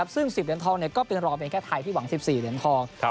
ซึ่ง๑๐เหรียญทองก็เป็นรอเพียงแค่ไทยที่หวัง๑๔เหรียญทอง